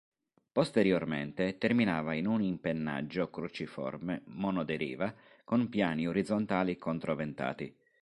Posteriormente terminava in un impennaggio cruciforme monoderiva con piani orizzontali controventati.